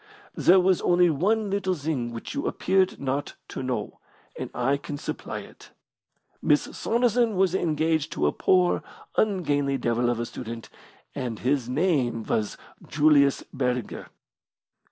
There was only one little thing which you appeared not to know, and I can supply it. Miss Saunderson was engaged to a poor, ungainly devil of a student, and his name was Julius Burger."